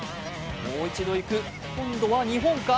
もう一度行く、今度は日本か？